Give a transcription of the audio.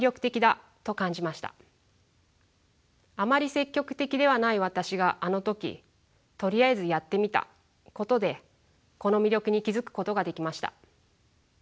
あまり積極的ではない私があの時とりあえずやってみたことでこの魅力に気付くことができました。